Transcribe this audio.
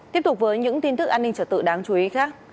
tiếp tục với những tin thức an ninh trật tự đáng chú ý khác